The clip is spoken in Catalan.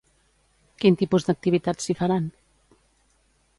Quin tipus d'activitats s'hi faran?